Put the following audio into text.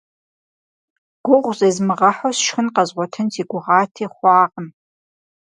Гугъу зезмыгъэхьу сшхын къэзгъуэтын си гугъати, хъуакъым.